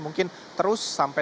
mungkin terus sampai